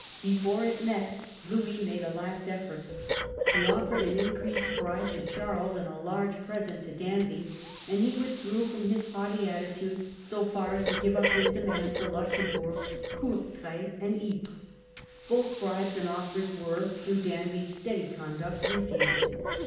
Before it met Louis made a last effort. He offered an increased bribe to Charles and a large present to Danby ; and he withdrew from his haughty attitude so far as to give up his demand for Luxemburg, Courtrai, and Ypres. Both bribes and offers were, through Danby*s t at of stead y conduct > refused.